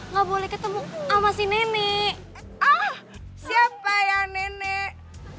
nggak boleh ketemu sama si nenek ah siapa ya nenek